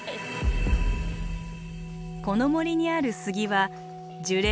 この森にある杉は樹齢